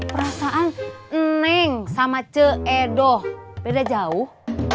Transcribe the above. perasaan neng sama ce edo beda jauh